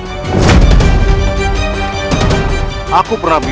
kau bukan murid